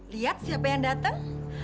lihat siapa yang datang